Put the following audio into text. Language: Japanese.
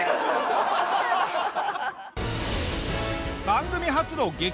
番組初の激